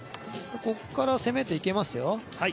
ここから攻めていけますよ